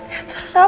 ya terus apa